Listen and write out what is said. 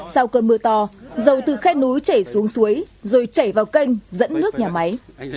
sau cơn mưa to dầu từ khe núi chảy xuống suối rồi chảy vào kênh dẫn nước nhà máy